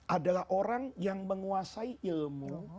adalah orang yang menguasai ilmu